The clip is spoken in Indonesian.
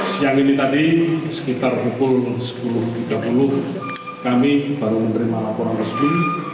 siang ini tadi sekitar pukul sepuluh tiga puluh kami baru menerima laporan resmi